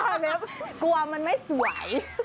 กลัวมันไม่สวย